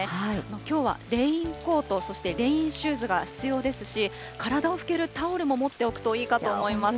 きょうはレインコート、そしてレインシューズが必要ですし、体を拭けるタオルも持っておくといいと思います。